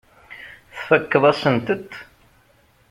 Tfakkeḍ-asent-t.